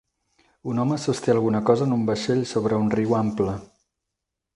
Un home sosté alguna cosa en un vaixell sobre un riu ample.